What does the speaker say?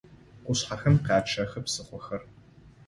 Къушъхьэхэм къячъэхы псыхъохэр.